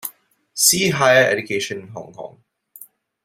See Higher education in Hong Kong.